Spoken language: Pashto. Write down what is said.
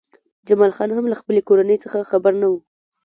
جمال خان هم له خپلې کورنۍ څخه خبر نه و